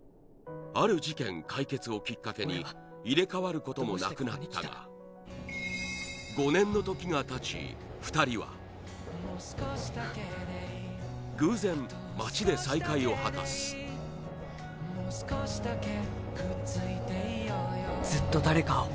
ある事件解決をきっかけに入れ替わることもなくなったが５年の時が経ち、２人は偶然、街で再会を果たす瀧：ずっと誰かを。